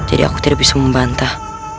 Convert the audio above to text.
aku tidak bisa membantah